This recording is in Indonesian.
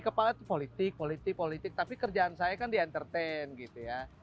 kepala itu politik politik politik tapi kerjaan saya kan di entertain gitu ya